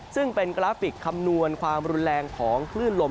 ซึ่งเป็นกราฟิกคำนวณความรุนแรงของคลื่นลม